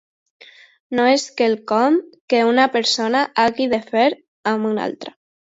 No és quelcom que una persona hagi de fer amb una altra.